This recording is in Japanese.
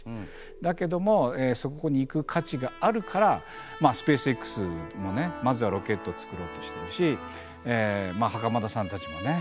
だけどもそこに行く価値があるからスペースＸもねまずはロケットを作ろうとしてるし袴田さんたちもね